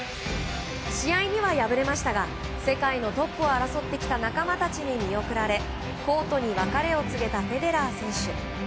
試合には敗れましたが世界のトップを争ってきた仲間たちに見送られコートに別れを告げたフェデラー選手。